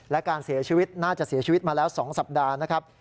และการเสียชีวิตน่าจะเสียชีวิตมาแล้ว๒สัปดาห์นะครับ